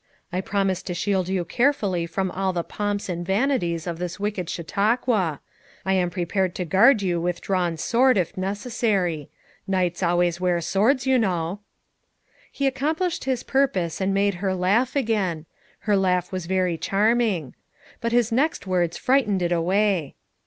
I promise to shield you carefully from all the pomps and vanities of this wicked Chautau qua ; I am prepared to guard you with drawn sword if necessary; knights always wear swords, you know." He accomplished his purpose and made her laugh again; her laugh was very charming. But his next words frightened it away.